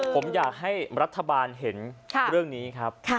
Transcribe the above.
ผมอยากให้รัฐบาลเห็นเรื่องนี้ครับ